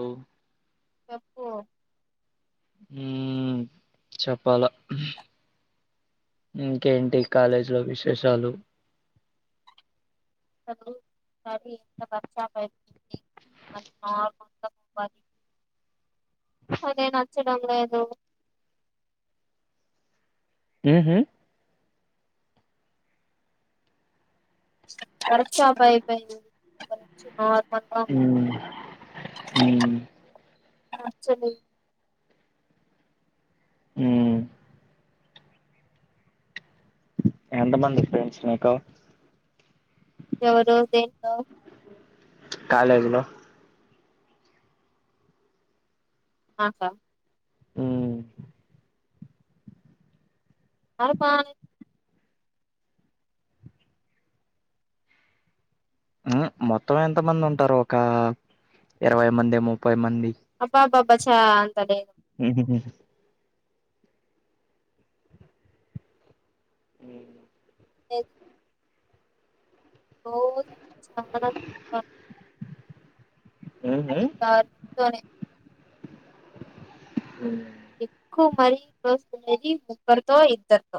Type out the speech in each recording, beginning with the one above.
ఓ చెప్పు చెప్పాల ఇంకేంటి కాలేజ్ లో విశేషాలు దు ఎంత బర్చాతుంది మ నార్మల్గా పోవాలి అదే నచ్చడం లేదు ఊహు తెరచాపైపోయింది [unintelligible] మ్మ్ మ్మ్ ఆ చెల్లి హ్మ్ ఎంత మంది ఫ్రెండ్స్ నీకు ఎవరోజ్ ఏంటో కాలేజ్ లో ఆసా హ్మ్ అరె పానీ మొత్తం ఎంత మంది ఉంటారు ఒక ఇరవై మంది ముప్పై మంది ప్రశాంత డే ఊ హు హు హ్మ్ లేదు ఓవ్ చాలా ఊహు [unintelligible] ఉమ్ ఎక్కువ మరీ క్లోజ్ గా ఉండేది ముగ్క్కరితో ఇద్దరితో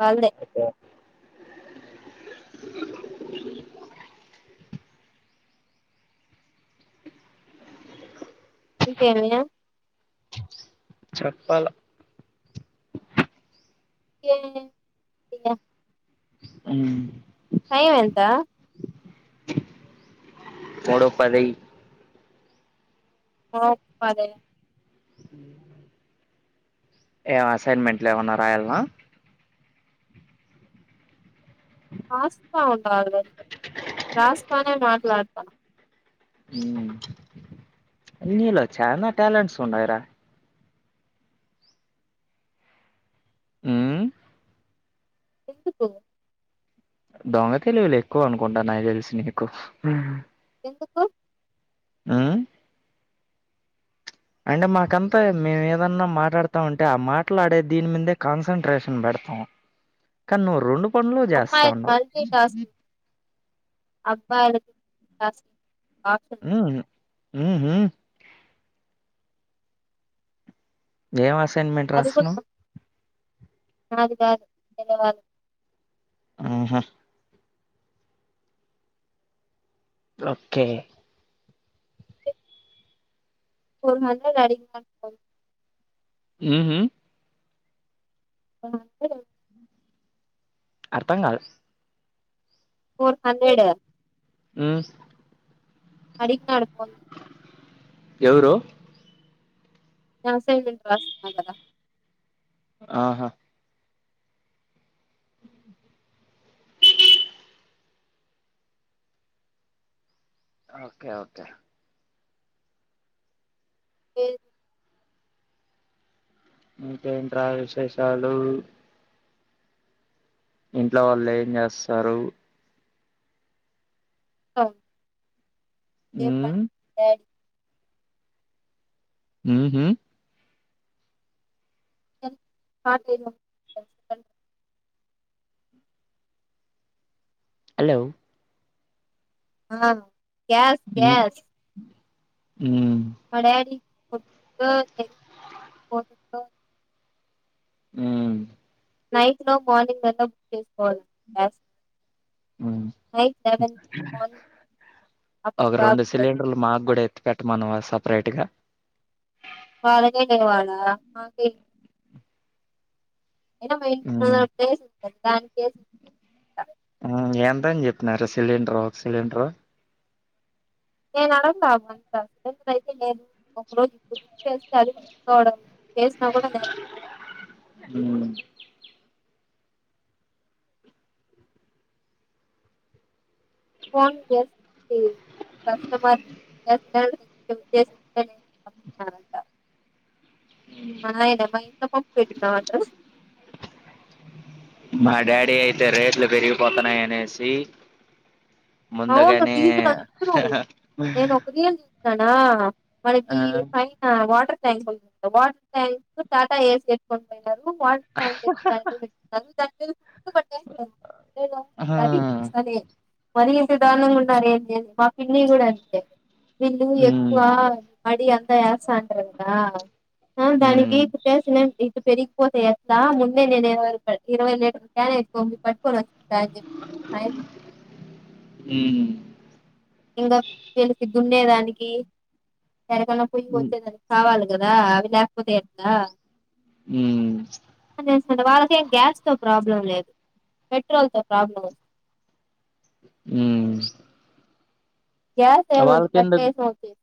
వాళ్ళే ఇంకేమి చెప్పాల ఏ ఉంది ఇగా అ ఎంత ముడు పది ఓ పద ఏ అసైన్మెంట్లు ఏమన్నా రాయల్న్నా రాస్తా ఉండల్రె రాస్తానే మాట్లాడతాను నీలో చాల టాలెంట్స్ ఉన్నాయిరా హు ఎందుకు దొంగ తెలువూలు ఎక్కువ అనుకుంటా నాకు తెలుసి నికు ఎందుకు హు అంటే మాకంతా మేము ఏదన్నా మాట్లాడుతాంటే ఆ మాట్లాడే దీని మీదే కాన్సన్ట్రేషన్ పెడతాం కానీ నువ్వు రెండు పనులు చేస్తా అమ్మాయిలు ఉండవు మల్టీ టాస్క్ అబ్బాయి అ హు హు హు ఎమ్ అసైన్‌మెంట్మె రాస్తునవ్ అనాది గారు ధన్యవాారు ఆహా ఓకే ఫోర్ హండ్రెడ్ అడిగిన్ హు హండ్రెడ్ అర్థం కాలే ఫోర్ హండ్రెడ్ హు అడిగినాడు ఎవరు నా అసైన్‌మెంట్మె రాస్తున్నాడు కదా ఆహా ఓకే ఓకే ఏ ఇకేంట్రా విశేషాలు ఇంట్లో వాళ్ళు ఏం చేస్తారు అ ఏం హ్మ్ పని డాడి హ హ షార్టేజ్ హలో ఆ గ్యాస్ హ్మ్ గ్యాస్ హ్మ్ మా డాడీ [inaudible] ఊ నైట్ లో మార్నింగ్ వలా బుక్ చేా [inaudible] హు మార్నింగ్ అప్పుడు ఒక రెండు బాబు సిలిండర్లు మాకు కూడా ఎతీ పెట్టమనవాస్ సెపరేట్గ వాళగే లేవాాలా మాక అ [inaudible] ఎ [inaudible] ఆ ఏం ఎంత అని చెప్పినార సిలిండర్ సిలిండర్ నేను అడుగుతా అభ అయితే లేదు ఒక రోజు ఇప్పుడు చేస్తే అడికోవడం వేసిన కూడా తదు ఉమ్, ఫోన్ చేసి కస్టమర్ కేర్ అ అయిద మయిందవ్ పఫెట్నా మా డాడీ అయితే రేట్లు పెరిగిపోతునయిఆనేసి అవును ఫీజులు అందరూ నేను ఒక రయ కనా ఆ మనకి పైన వాటర్ ప్ల tank water tanks Tata AC water tank పెన్నారు త ఆహా [inaudible] ఎంట ఏ సర సరే మరి ఇంత దారుణంగా ఉన్నారు ఏంటి మా పిన్ని కూడా అంతే వీళ్ళు ఉమ్ ఎక్కువ మడి అంతా యాాంట్రందా ఆ ఉమ్ దానికి కుట్టసినండి పెరిగిపోతే ఎట్లా మున్నే నేను ఇరవై ఇరవై లీటకానే ఎక్కు మీ పట్టుకొని వచ్చుకుంటా అని చెప్పి మా ఆయనికి ఊ ఇంగో పెళ్లి సిగ్గు ఉండేదానికి ఎనకన్నా పోయి ఉమ్ వచ్చెందనీ కావాలీ గాదా అవి లేకపోతే ఏట్ట ఉమ్ అంటే వాళ్ళక ఏం గ్యాస్ తో ప్రాబ్లం లేదు. పెట్రోల్ తో ప్రాబ్లం ఉంది. ఉమ్ గ్యాస్ ఏముందీ వాళ్ళకెందుకు కట్టేసీన్ విచ్చేసి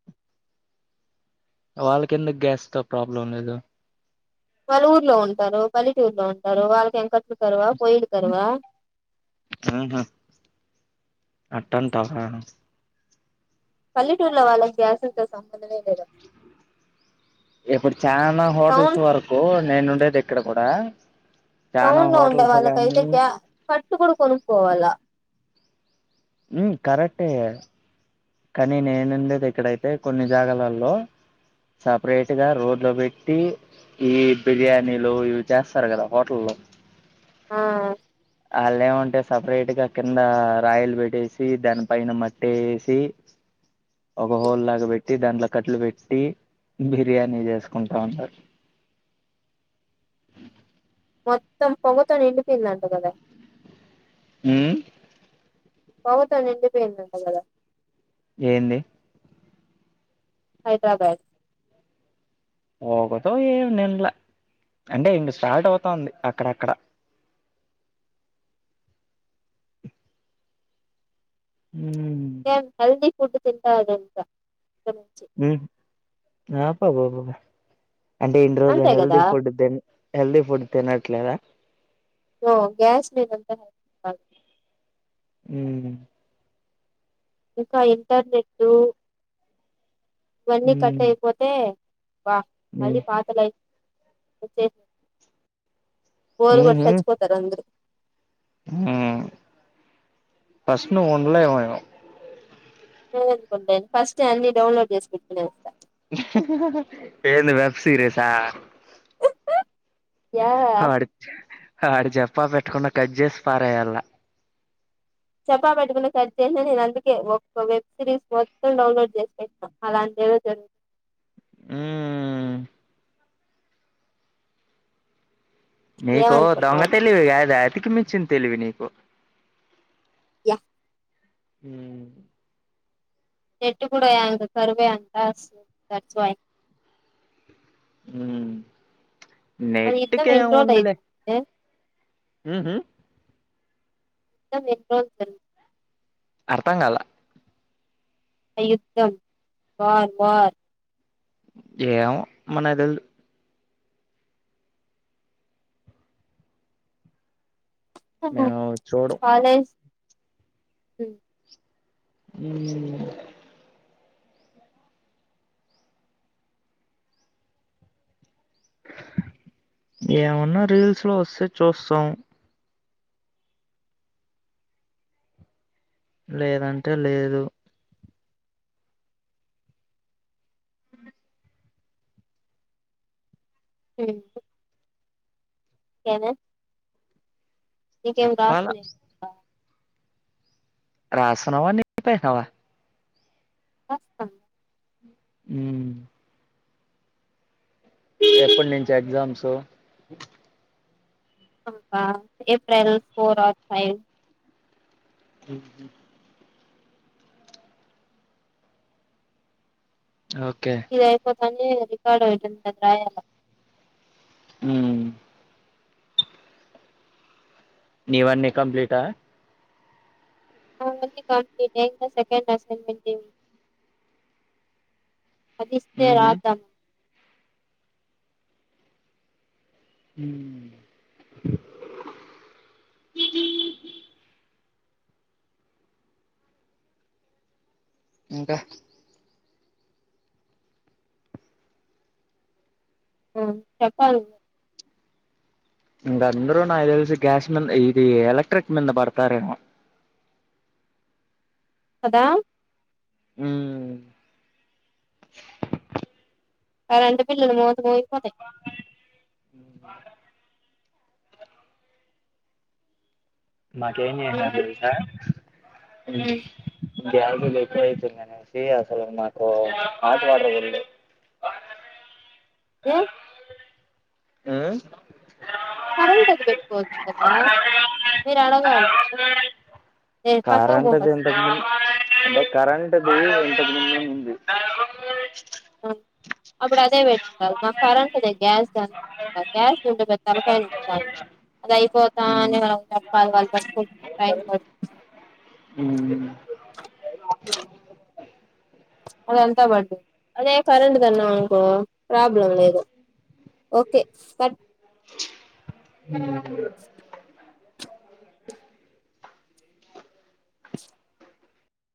వాళ్ళకి ఎందుకు గ్యాస్ తో ప్రాబ్లం లేదు. వాళ్ళు ఊర్లో ఉంటారు పనికి వెళ్తుంటారు. వాళ్ళకు ఏం కట్టే లు కరువా పోయిలు కరువా అట్టంటవా నువ్ పల్లెటూర్లో వాళ్ళకి గ్యాసుల్తో సంబంధమే లేద ఇప్పుడు చాలనా హోటల్స్ వరకూ నేను ఉండే ఏ ఇక్కడ కూడా చానా టౌన్ లో ఉండే హోటల్స్ వాళ్ళ గానీ కైతే గ్యా పట్టు కూడా కొనుక్కోవాలా ఉమ్ కరెక్టే కానీ నేనుండేది. ఇక్కడైతే కొన్ని జాగాలల్లో సపరేట్ గా రోడ్ లో పెట్టి ఈ బిర్యానీలు ఇవి చేస్తారు. కదా హోటల్లో ఆ అళ్ళు ఏమంటే సపరేట్ గా కిందా రాయిలు పెట్టేసి దాని పైన మట్టేసీ ఒక హోల్లాగ బెట్ ట్టి దాంట్లో కట్లు పెట్టి బిర్యానీ చేసుకుంటా ఉంటారు మొత్తం పొగతో నిండిపోయిందంట గదా హ్హ్ పోగతో నిండిపోయిందంట గదా ఏంది హైదరాబాద్ పొగతో ఏం నిండ్ల అంటే ఇక స్టార్ట్ అవుతాంది. అక్కడక్కడ ఉమ్ ఏం హెల్దీ ఫుడ్ తింటారు గంత గురించి ఆ పబ్బపాబ్బాబ అంటే ఇన్ని రోజులు అంతే హెల్దీ కదా ఫుడ్ తిన్ హెల్దీ ఫుడ్ తినట్లేదా ఓ గ్యాస్ నెలంతా రాదు ఉమ్ ఇంకా ఇంటర్నెట్టు ఇవన్నీ కట్ ఉమ్ అయిపోతే వా మళ్ళీ ఉమ్ పాత లైఫ్ వచ్చి బోరుగొట్టి సచ్చిపోతారు అందరూ హు ఫస్ట్ నువుండలేవేమో నేను అనుకుంటేను ఫస్ట్ అన్ని డౌన్లోడ్ చేసి పెట్టుకునేస్తా ఏంది వెబ్ సీరీసా యా హ అడి ఆడు చెప్పా పెట్టకుండా కట్ చేసి పారేయల్లా చెప్పా పెట్టుకున్న కట్ చేసిది అందుకే ఒక వెబ్ సిరీస్ మొత్తం డౌన్లోడ్ చేసి పెట్టిన అలాంటిది జరు ఊ నీకు దొంగ ఏమనుకున్నావు తెలివి యాడ తిక్క మించి నా తెలివి నీకు యా ఉ చెట్టు కూడా అంత కరువే అంటా దట్స్ వై ఉ అది యుద్ధం ఎన్ని రోజులు అయింది ఉహు యుద్ధం ఎన్ని రోజులు జరిగి అర్థం కాలా ఆ యుద్ధం వార్ వార్ ఏమో మనకు తెల్దు ఆహా మేము చూడం కాలేజ్ హు ఉమ్ ఏమన్నా రీల్స్ లోవస్తే చూస్తాం లేదంటే లేదు హు ఏందే నీకేం చెప్పాలా రాసుకునేవి లేవా రాస్తున్నావా నిలిపేసినావా రాస్తా ఉమ్ ఎప్పటి నుంచి ఎగ్జామ్స్ మాకా ఎప్రిల్ ఫోర్ ఆర్ ఫైవ్ హ ఓకే మళ్లీ రికార్డయిటియాల ఉ నీవన్ని కంప్లీటా నావన్ని కంప్లీటే ఇంకా సెకండ్ అసైన్మెంటే అది ఇస్తే ఉహు రాద్దాం ఉ ఇంకా ఆ చెప్పాలి ఇంక అందరూ నా తెలిసి గ్యాస్ మింద ఇది ఎలక్ట్రిక్ మింద పడతారేమో కదా ఉ కరెంట్ బిల్లులు మోత మోగిపోతాయి వంకాయ మాకు ఏంచేసినార్ తెల్సా ఉ క్యాలరీలు ఎక్కువ అయిపేనై అనేసి అసలు నాకు మాట రావట్లేదు ఏ ఆ కరెంట్ అది పెట్టుకోవచ్చు కదా మీరు అడగాలి నేను పక్క కరెంటుది పోస్త ఇంతకు ముందు ముంది అప్పుడు అదే వేట్ కాదు మాకు కరెంట్ దే గ్యాస్ గాదు కాదు గ్యాస్ ఉంటే పెద్ద తలకాయా నొప్పి కాదు అది అయిపోతా అని ఉమ్ మనం డబ్బాలు వాళ్ళు పాట్కో టై పడుతు ఉమ్ అద ఎంత వడ్డ అదే కరెంటు తన్న వానుకో ప్రాబ్లం లేదు ఓకే బట్ ఉ